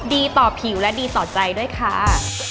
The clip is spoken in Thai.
ดีต่อผิวและดีต่อใจด้วยค่ะ